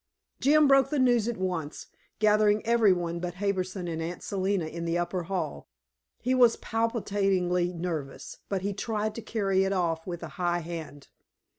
Jim broke the news at once, gathering everybody but Harbison and Aunt Selina in the upper hall. He was palpitatingly nervous, but he tried to carry it off with a high hand.